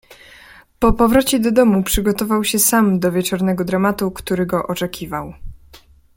"Po powrocie do domu przygotował się sam do wieczornego dramatu, który go oczekiwał."